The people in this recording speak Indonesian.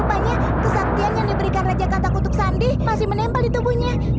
makanya kesaktian yang diberikan raja katak untuk sandi masih menempel di tubuhnya